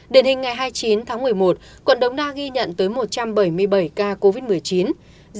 điển hình ngày hai mươi chín tháng một mươi một quận đống đa ghi nhận tới một trăm bảy mươi bảy ca covid một mươi chín